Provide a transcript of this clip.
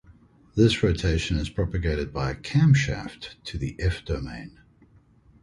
This rotation is propagated by a 'camshaft' to the F domain.